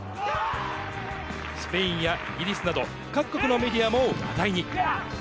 スペインやイギリスなど、各国のメディアも話題に。